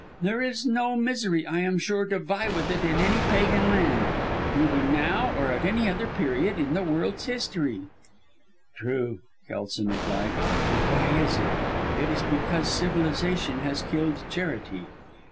There is no misery, I am sure, to vie with it in any pagan land, either now or at any other period in the world's history." "True," Kelson replied, "and why is it? It is because civilization has killed charity.